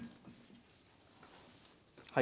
はい。